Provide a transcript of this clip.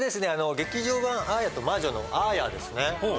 『劇場版アーヤと魔女』のアーヤですね。